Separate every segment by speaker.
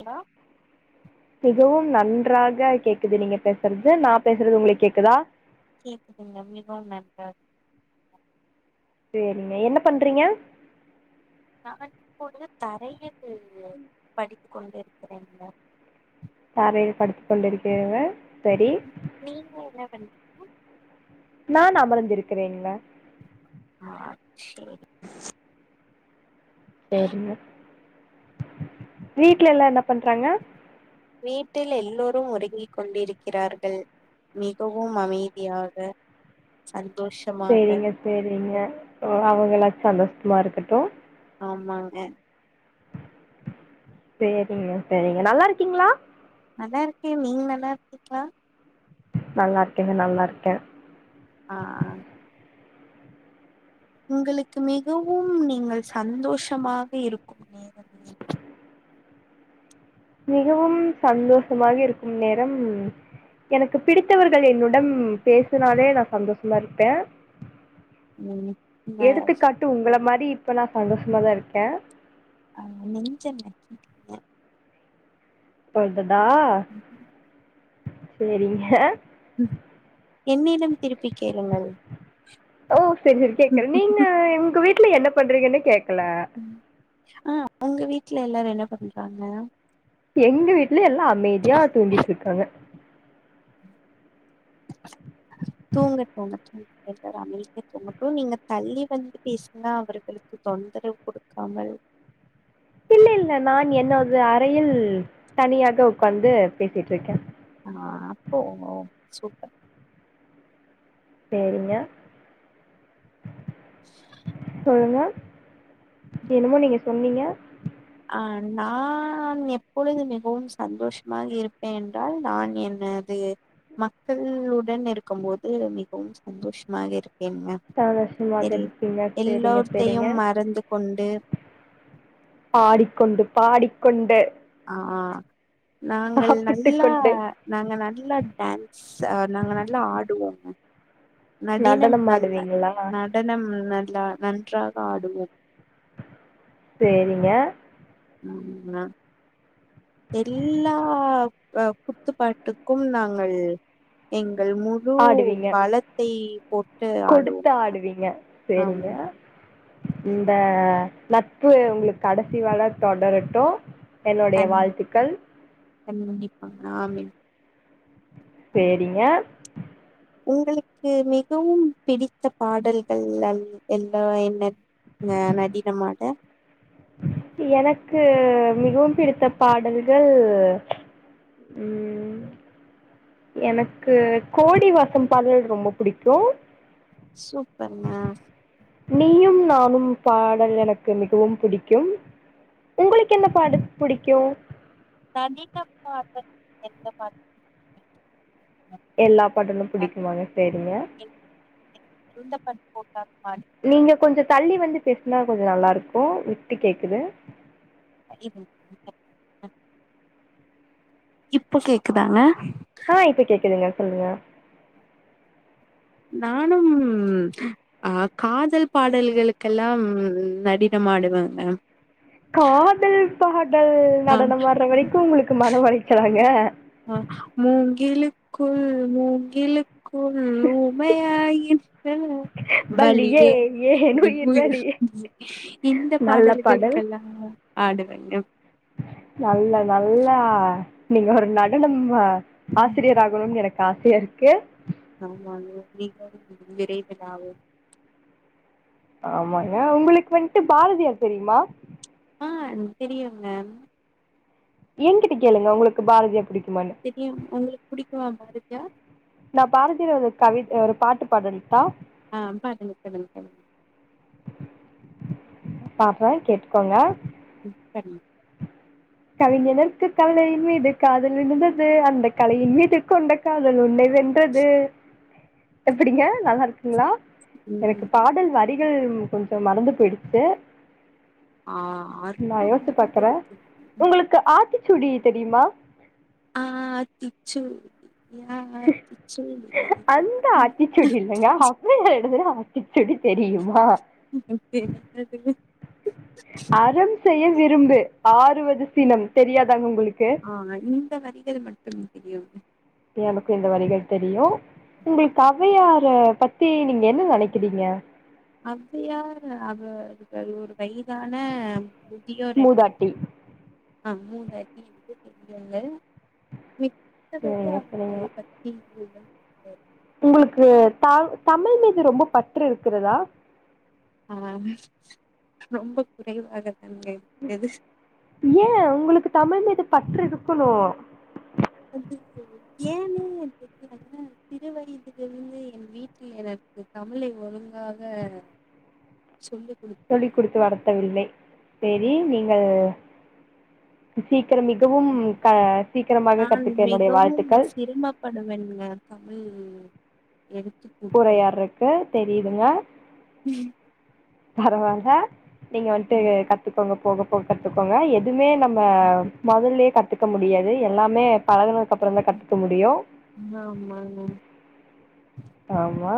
Speaker 1: Hello
Speaker 2: மிகவும் நன்றாக கேக்குது நீங்க பேசறது நா பேசறது உங்களுக்கு கேக்குதா
Speaker 1: கேக்குதுங்க மிகவும் நன்றாக
Speaker 2: சேரிங்க என்ன பண்றீங்க
Speaker 1: நான் இப்பொழுது தரையில் படித்து கொண்டு இருக்கிறேங்க
Speaker 2: தரையில் படுத்து கொண்டு இருக்கிறேங்க செரி
Speaker 1: நீங்க என்ன பண்றீங்க
Speaker 2: நான் அமர்ந்து இருக்குறேங்க
Speaker 1: ஆ செரி
Speaker 2: செரிங்க வீட்ல எல்லா என்ன பண்றாங்க
Speaker 1: வீட்டில் எல்லோரும் உறங்கி கொண்டிருக்கிறார்கள் மிகவும் அமைதியாக சந்தோஷமாக
Speaker 2: செரிங்க அவுங்களாது சந்தோஷ்மா இருக்கட்டு
Speaker 1: ஆமாங்க
Speaker 2: செரிங்க செரிங்க நல்லா இருக்கீங்களா
Speaker 1: நல்லா இருக்கே நீங்க நல்லா இருக்கீங்ளா
Speaker 2: நல்லா இருக்கேங்க நல்லா இருக்கே
Speaker 1: ஆ அ உங்களுக்கு மிகவும் நீங்கள் சந்தோஷமாக இருக்கும் நேரம்
Speaker 2: மிகவும் சந்தோஷமாக இருக்கும் நேரம் எனக்கு பிடித்தவர்கள் என்னுடன் பேசுனாலே நா சந்தோஷமா இருப்பே
Speaker 1: ம் ந
Speaker 2: எடுத்துக்காட்டு உங்கள மாரி இப்ப நா சந்தோஷமாதா இருக்கே
Speaker 1: ஆ நெஞ்ச நக்கீட்டிங்க
Speaker 2: ஒருதடா சேரிங்க
Speaker 1: ம் என்னிடம் திருப்பி கேளுங்கள்
Speaker 2: ஓ செரி செரி கேக்குறே நீங்க எங்க வீட்ல என்ன பண்றீங்கன்னு கேக்கல
Speaker 1: ஆ ஒங்க வீட்ல எல்லாரு என்ன பண்றாங்க
Speaker 2: எங்க வீட்ல எல்லா அமைதியா தூங்கிட்ருக்காங்க
Speaker 1: தூங்க தூங்கட்டும் எல்லாரு அமைதியா தூங்கட்டு நீங்க தள்ளி வந்து பேசுங்க அவர்களுக்கு தொந்தரவு குடுக்காமல்
Speaker 2: இல்ல இல்ல நா என்னோடது அறையில் தனியாக உக்காந்து பேசிட்ருக்கே
Speaker 1: ஆ அப்போ ஓ சூப்பர்
Speaker 2: சேரிங்க சொல்லுங்க என்னமோ நீங்க சொன்னீங்க
Speaker 1: ஆ நான் எப்பொழுது மிகவும் சந்தோஷமாக இருப்பேன் என்றால் நான் என்ன து மக்களுடன் இருக்கும் போது மிகவும் சந்தோஷமாக இருப்பேன்ங்க
Speaker 2: சந்தோஷமாக
Speaker 1: செரி
Speaker 2: இருப்பீங்க சேரிங்க சேரிங்க
Speaker 1: எல்லோத்தையும் மறந்து கொண்டு
Speaker 2: பாடிக்கொண்டு பாடிக்கொண்டு
Speaker 1: ஆ நாங்கள்
Speaker 2: சாப்பிட்டு
Speaker 1: நல்லா
Speaker 2: கொண்டு
Speaker 1: நாங்க நல்லா டான்ஸ் அ நாங்க நல்லா ஆடுவோங்க நடினம்
Speaker 2: நடனம்
Speaker 1: நல்ல
Speaker 2: ஆடுவீங்களா
Speaker 1: நடனம் நல்லா நன்றாக ஆடுவோம்
Speaker 2: சேரிங்க
Speaker 1: ம் க எல்லா அ குத்துப்பாட்டுக்கும் நாங்கள் எங்கள் மூ முழூ
Speaker 2: ஆடுவீங்க
Speaker 1: பலத்தை போட்டு
Speaker 2: கொடுத்து
Speaker 1: ஆடுவோம்
Speaker 2: ஆடுவீங்க சரிங்க
Speaker 1: ஆமா
Speaker 2: இந்த நட்பு ஒங்களுக் கடசி வர தொடரட்டு என்னுடைய வாழ்த்துக்கள்
Speaker 1: கண்டிப்பா ஆமின்
Speaker 2: சேரிங்க
Speaker 1: உங்களுக்கு மிகவும் பிடித்த பாடல்கள் லள் என்னவா என்ன ஆ நடினமாட
Speaker 2: எனக்கு மிகவும் பிடித்த பாடல்கள் ம் எனக்கு கோடி வாசம் பாடல் ரொம்ப புடிக்கு
Speaker 1: சூப்பர்ங்க
Speaker 2: நீயும் நானும் பாடல் எனக்கு மிகவும் புடிக்கும் உங்களுக்கு என்ன பாடல் புடிக்கு
Speaker 1: நடின பாடல் எந்த பாட்டு
Speaker 2: எல்லா பாட்டுமே
Speaker 1: பிடிக்குங்க?
Speaker 2: புடிக்குமாங்க சேரிங்க
Speaker 1: எந்த பாட்டு போட்டா பாடு
Speaker 2: நீங்க கொஞ்சோ தள்ளி வந்து பேசுனா கொஞ்சோ நல்லாருக்கு விட்டு கேக்குது
Speaker 1: [inaudible] இப்ப கேக்குதாங்க?
Speaker 2: ஆ இப்ப கேக்குதுங்க சொல்லுங்க.
Speaker 1: நானும் ஆ காதல் பாடல்களுக்கெல்லாம் நடிதமாடுவங் மேம்.
Speaker 2: காதல் பாடல்
Speaker 1: ஆ
Speaker 2: நடனமாட்ற வரைக்கு உங்குளுக்கு மன உலைச்சலாங்க?
Speaker 1: அ மூங்கிலுக்குள் மூங்கிலு குள் ஊமையாகின்றன. வலியே என் உயிர் [inaudible] இந்த
Speaker 2: நல்ல பாடல்
Speaker 1: பாடல்களுக்கெல்லா மேம். ஆடுவங்க.
Speaker 2: நல்ல நல்லா நீங்க ஒரு நடனம்ம
Speaker 1: ம்
Speaker 2: ஆசிரியர் ஆகணுன் எனக்கு ஆசையாருக்கு.
Speaker 1: ஆமாங்க நீங்களும் கிரேட் எதாவு
Speaker 2: ஆமாங்க உங்குளுக்கு வந்ட்டு பாரதியார் தெரிமா?
Speaker 1: ஆ என்க் தெரியுங்க.
Speaker 2: ஏங்கிட்ட கேளுங்க உங்குளுக்கு பாரதியார் புடிக்குமான்னு.
Speaker 1: தெரியும் உங்குளுக் புடிக்குமா பாரதியார்?
Speaker 2: நா பாரதியாலோத கவித் அ ஒரு பாட்டு பாடல்ட்டா?
Speaker 1: ஆ பாடுங்க சொல்லுங்க சொல்லுங்க.
Speaker 2: பாட்றே கேட்டுக்கோங்க.
Speaker 1: ம் பாடுங்க.
Speaker 2: கவிஞனுர்க்கு கவலையின் மீது காதல் விழுந்தது அந்த கலையின் மீது கொண்டக் காதல் உன்னை வென்றது. எப்பிடிங்க நல்லாருக்குங்ளா? எனக்கு
Speaker 1: ம்
Speaker 2: பாடல் வரிகள்ம் கொஞ்சோ மறந்து போய்டுச்சு.
Speaker 1: ஆ
Speaker 2: நா யோஸ்ச்சு
Speaker 1: அற்புதமாக
Speaker 2: பாக்கற.
Speaker 1: இருக்கிறது
Speaker 2: உங்குளுக்கு ஆத்திசூடி தெரிமா?
Speaker 1: ஆத்திசூடி
Speaker 2: அந்த ஆத்திச் சூடி இல்லங்க ஒளவையார் எழுதுன ஆத்திசூடி தெரியுமா?
Speaker 1: ம்ஹு தெரியாதுங்க.
Speaker 2: அறம் செய்ய விரும்பு ஆறுவது சினம் தெரியாதாங்க உங்குளுக்கு?
Speaker 1: ஆங்க இந்த வரிகள் மட்டும் தெரியுங்க.
Speaker 2: எனக்கு இந்த வரிகள் தெரியு. உங்குளுக்கு ஔவையார பத்தி நீங்க என்ன நெனைக்குறீங்க?
Speaker 1: ஔவையார் அவர்கள் ஒரு வய்தான மு தியோர் என்று
Speaker 2: மூதாட்டி
Speaker 1: அ மூதாட்டி என்று தெரியுங்க மித்தபடி
Speaker 2: சரிங்க சரிங்க
Speaker 1: அவர்களை பற் டி [inaudible]
Speaker 2: உங்குளுக்கு தாழ் தமிழ் மீது ரொம்ப பற்று இருக்கிறதா?
Speaker 1: ஆ ரொம்ப குறைவாகதாங்க இருக்குது.
Speaker 2: ஏ உங்குளுக்கு தமிழ்மீது பற்று இருக்குணு.
Speaker 1: அது ஏன்னே [inaudible] சிறு வயதிலிருந்து என் வீட்டில் எனக்கு தமிழை ஒழுங்காக சொல்லிகுடுக்
Speaker 2: சொல்லி குடுத்து வளத்தவில்லை. சேரி நீங்கள் சீக்கிரம் மிகவும் க சீக்கரமாக கத்துக்க என்னுடைய வாழ்த்துக்கள்.
Speaker 1: படமென்னுங்க தமிழ் எழுத்து
Speaker 2: உறையாட்றக்கு தெரியுதுங்க
Speaker 1: ம்
Speaker 2: பரவால்ல நீங்க வன்ட்டு
Speaker 1: ம்
Speaker 2: கத்துக்கோங்க போக போக கத்துக்கோங்க எதுமே நம்ம
Speaker 1: ம்.
Speaker 2: மொதல்லேயே கத் த்துக்க முடியாது எல்லாமே பழகனதுக்கு அப்புறோ தா கத்துக்க முடியு
Speaker 1: ஆமாங்க
Speaker 2: ஆமா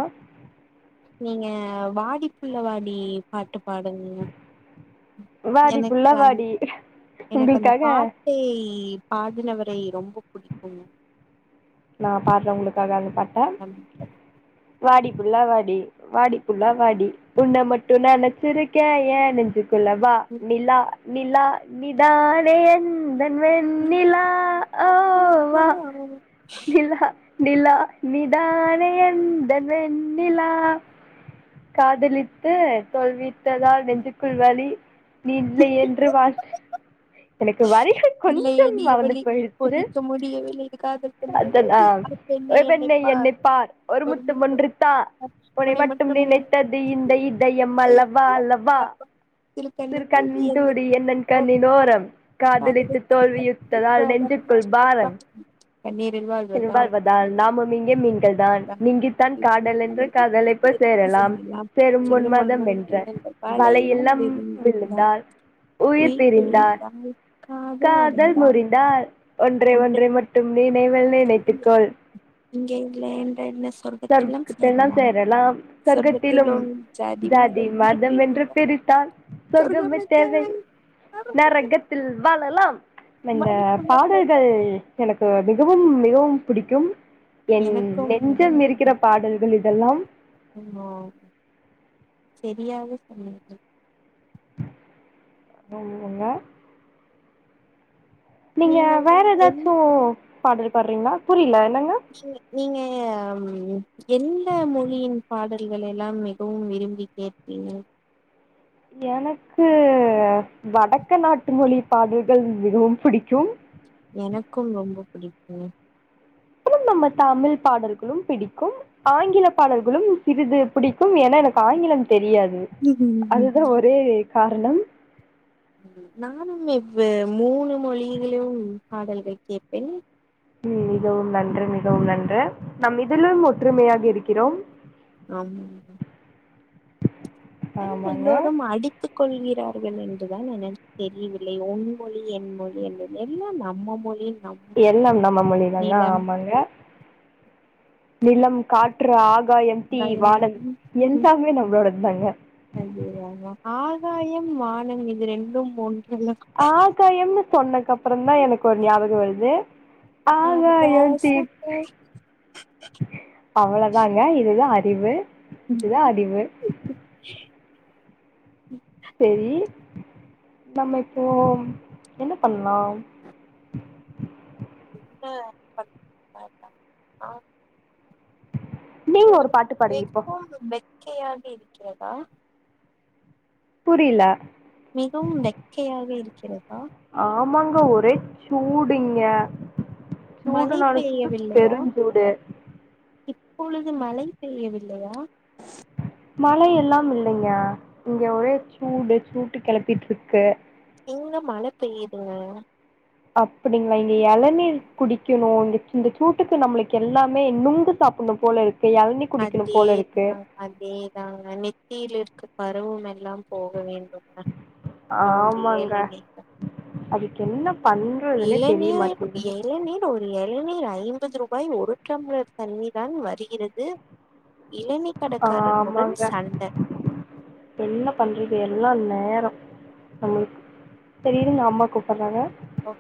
Speaker 1: நீங்க வாடி புள்ள வாடி பாட்டு பாடுங்க
Speaker 2: வாடி புள்ள
Speaker 1: எனக்கு அந்
Speaker 2: வாடி
Speaker 1: எனக்கு அந்த
Speaker 2: உங்களுக்காக
Speaker 1: பாட் பாட்டை பாடினவரை ரொம்போ பிடிக்கும்
Speaker 2: நா பாருறே உங்களுக்காக அந்த பாட்ட
Speaker 1: [unintelligible]
Speaker 2: வாடி புல்லா வாடி வாடி புள்ளா வாடி உன்ன மட்டு நெனச்சிருக்கே ஏன் நெஞ்சு க்குல வா நீலா நீலா நிதானே என் எந்தன் வெண்ணிலா ஓ வா நிலா நிலா நிதானே எந்தன் வென்னிலா காதலித்து தோல்வி ததால் நெஞ்சுக்குள் வலி நீ இல்லை என்று வாசி எனக்கு வரிகள் கொஞ்சு
Speaker 1: இல்லையடி
Speaker 2: மறந்து
Speaker 1: ஒளி
Speaker 2: போய்டுச்சு
Speaker 1: பொதிக்க முடியவில்லை காதல் கொண்ட
Speaker 2: அதனா
Speaker 1: வலி அப்பெண்ணே
Speaker 2: ஒரு பெண்ணே என்னை பார் ஒரு முத்தம் ஒன்றுத்தா உன்னை மட்டும் நினைத்தது இந்த இதயம் அல்லவா அல்லவா
Speaker 1: கண்ணு
Speaker 2: சிறு கண்
Speaker 1: துளி
Speaker 2: துடி எந்தன்
Speaker 1: அந்த
Speaker 2: கண்ணிண் ஓரம் நெஞ்சுக்குள் பாரம்
Speaker 1: [unintelligible] கண்ணீரில்
Speaker 2: இனி
Speaker 1: வாழ்வதால்
Speaker 2: நாமும் இங்கே மீன்கள் தான் நீங்கித்தான் காதல் என்ற காதலை போய் சேரலாம் சேரும் உன்மதம் என்ற வலையில் நம்
Speaker 1: [unintelligible] [unintelligible]
Speaker 2: விழுந்தால்
Speaker 1: உயிர் [unintelligible]
Speaker 2: காதல்
Speaker 1: உடைந்தால்
Speaker 2: முறிந்தால் ஒன்றே ஒன்றை மட்டு நினைவில் நினைத்துக்கொள்
Speaker 1: இங்கே [unintelligible]
Speaker 2: சொர் தினம் சேரலாம் சொர்க்கத்திலும் ஜாதி மதம் என்று பிரித்தால் சொர்கமே தேவை நரகத் தில் வாழலாம் இந்த பாடல்கள் எனக்கு மிகவும் மிகவும் பிடிக்கும் என்
Speaker 1: எனக்கும்
Speaker 2: நெஞ்சமிருக்க இருக்கிற பாடல்கள் இதெல்லாம்
Speaker 1: ஆமா செரியாக சொன்னிங்க
Speaker 2: ஆமாங்க நீங்க
Speaker 1: நீங்கள்
Speaker 2: வேற
Speaker 1: என்
Speaker 2: ஏதாச்சு பாடல் பாடுறிங்களா புரியல என்னங்க
Speaker 1: நீங்க நீங்க எந்த மொழியின் பாடல்கள் எல்லாம் மிகவும் விரும்பி கேப்பிங்க
Speaker 2: எனக்கு வடக்க நாட்டு மொழி பாடல்கள் மிகவும் புடிக்கும்
Speaker 1: எனக்கும் ரொம்போ பிடிக்கும்
Speaker 2: அப்புறோ நம்ம தமிழ் பாடல்களும் பிடிக்கும் ஆங்கில பாடல்களும் சிறிது புடிக்கும் எனா எனக்கு ஆங்கிலம் தெரியாது அதுதா ஒரே காரண
Speaker 1: நானு இவ்வு மூணு மொழிகளு பாடல்கள் கேட்பே
Speaker 2: ம் மிகவு நன்று மிகவு நன்று நம் இதலு ஒற்றுமையாக இருக்கிறோ
Speaker 1: ஆம்மா [inaudible] ஏ
Speaker 2: ஆமாங்க
Speaker 1: எல்லோரு அடிக் த்து கொள்கிறார்கள் என்றுதா எனக்கு தெரிவில்லை உன் மொழி என் மொழி என்று எல்லா நம்ம மொழி நம்
Speaker 2: எல்லாம் நம்ம மொழி தாங்க
Speaker 1: நிலம்
Speaker 2: ஆமாங்க நிலம் காற்று ஆகாயம் தீ வானம்
Speaker 1: பயம்
Speaker 2: எல்லாமே நம்மளோடதாங்க
Speaker 1: அய்யோ ராமா ஆகாயம் வானம் இது ரெண்டும் ஒன்றுல்ல
Speaker 2: ஆகாயம்னு சொன்னதுக்கு அப்புற தா எனக்கு ஒரு ஞாபகோ வருது
Speaker 1: நா
Speaker 2: ஆகாயம் தீ
Speaker 1: முக்க [inaudible] போ
Speaker 2: அவ்வளோதாங்க இதுதா அறிவு இதுதா அறிவு செரி நம்ம இப்போ என்ன பண்லா
Speaker 1: ரொம்ப [unintelligible]
Speaker 2: நீங்க ஒரு
Speaker 1: உங்களுக்கு
Speaker 2: பாட்டு பாடுங்க இப்போ
Speaker 1: மிகவு வெக்கையாக இருக்கிறதா
Speaker 2: புரில
Speaker 1: மிகவும் வெக்கையாக இருக்கிறதா
Speaker 2: ஆமாங்க ஒரே சூடு இங்க
Speaker 1: மழை
Speaker 2: சூடுனாலு சூடு
Speaker 1: பெய்யவில்லையா
Speaker 2: பெருஞ்சூடு
Speaker 1: இப்பொழுது மழை பெய்யவில்லையா
Speaker 2: மழை எல்லா இல்லைங்க இங்க ஒரே சூடு சூட்டு கெளப்பிட்டு இருக்கு
Speaker 1: இங்க மழ பெய்யுதுங்க
Speaker 2: அப்டிங்களா இங்க எளநீர் குடிக்கணு இங்க இந்த சூட்டுக்கு நம்பளுக்கு எல்லாமே நுங்கு சாப்ட்ணு போல இருக்கு எளநி குடிக்கணு போல இருக்கு
Speaker 1: அதேதாங்க அதேதாங்க நெத்தியில இருக்க பருவ எல்லாம் போக வேண்டும் ந நொங்கு
Speaker 2: ஆமாங்க
Speaker 1: இளநி
Speaker 2: அதுக்கு என்ன பண்றதுன்னே தெரிய
Speaker 1: இளநீர்
Speaker 2: மாட்டேதுங்க
Speaker 1: இளநீர் ஒரு எளநீர் ஐம்பது ருபாய் ஒரு டம்ளர் தண்ணி தான் வருகிறது இளநி கடக்காரனுடன்
Speaker 2: ஆமாங்க
Speaker 1: சண்ட
Speaker 2: என்ன பண்றது எல்லா நேரோ நம்ளு செரி இருங்க அம்மா கூப்பட்றாங்க
Speaker 1: ஓக்கே